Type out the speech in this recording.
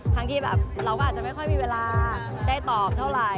ทั้งที่เราอาจจะไม่ค่อยมีเวลาได้ตอบเท่าไร